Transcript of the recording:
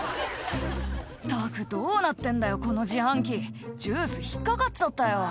「ったくどうなってんだよこの自販機」「ジュース引っ掛かっちゃったよ」